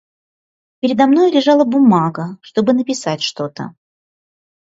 Передо мной лежала бумага, чтобы написать что-то.